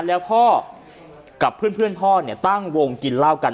แล้วพ่อกับเพื่อนพ่อเนี่ยตั้งวงกินเหล้ากัน